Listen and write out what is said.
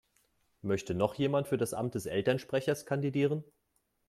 Möchte noch jemand für das Amt des Elternsprechers kandidieren?